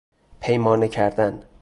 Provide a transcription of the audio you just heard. پیمانه کردن